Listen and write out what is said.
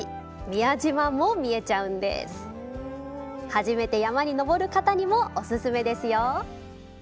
初めて山に登る方にもおすすめですよ！